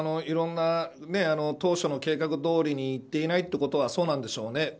当初の計画どおりにいっていないということはそうなんでしょうね。